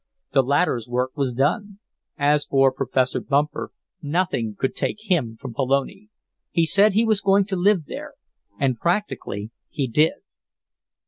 The latter's work was done. As for Professor Bumper, nothing could take him from Pelone. He said he was going to live there, and, practically, he did.